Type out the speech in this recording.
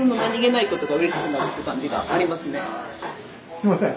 すいません。